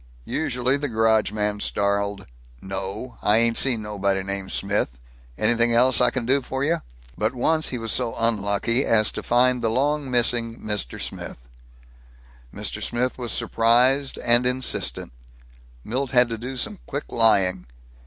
Usually the garage man snarled, "No, I ain't seen nobody named Smith. An'thing else I can do for you?" But once he was so unlucky as to find the long missing Mr. Smith! Mr. Smith was surprised and insistent. Milt had to do some quick lying.